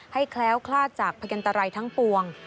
แคล้วคลาดจากพยันตรายทั้งปวง